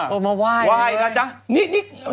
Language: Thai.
เอามาว่ายเลยเว้ย